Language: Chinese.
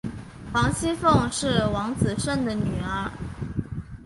王熙凤是王子胜的女儿。